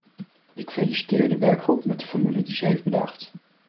Ik feliciteer de werkgroep met de formule die ze heeft bedacht.